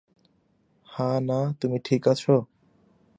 হা-না, তুমি ঠিক আছো?